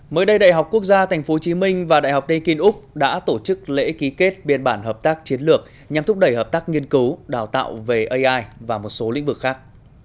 mới đây đại học quốc gia tp hcm và đại học đê kinh úc đã tổ chức lễ ký kết biên bản hợp tác chiến lược nhằm thúc đẩy hợp tác nghiên cứu đào tạo về ai và một số lĩnh vực khác